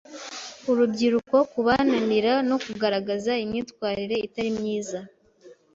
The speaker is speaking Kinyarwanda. urubyiruko kubananira no kugaragaza imyitwarire itari myiza